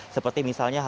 seperti misalnya harga